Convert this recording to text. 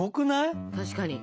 確かに。